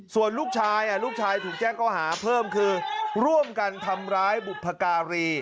ส่วนลูกชายลูกชายถูกแจ้งก็หาเพิ่มคือร่วมกันทำร้ายบุพการี